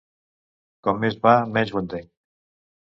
Com més va, menys ho entenc.